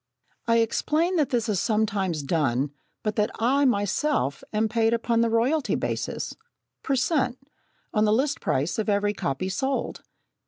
I explain that this is sometimes done, but that I myself am paid upon the royalty basis, per cent. on the list price of every copy sold.